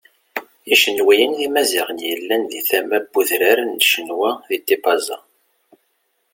Icenwiyen d Imaziɣen yellan deg tama n udran n Cenwa di Tipaza.